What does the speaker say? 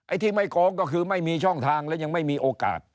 ที่ไม่โกงก็คือไม่มีช่องทางและยังไม่มีโอกาส